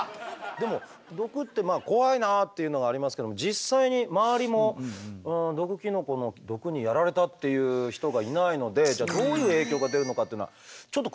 でも毒って怖いなあっていうのがありますけれども実際に周りも毒キノコの毒にやられたっていう人がいないのでどういう影響が出るのかっていうのはちょっと詳しくは分からないんですよね。